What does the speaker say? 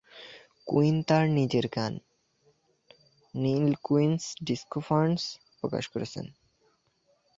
Queen তার নিজের গান "নিল কুইন'স ডিস্কো পান্টস" প্রকাশ করেছেন।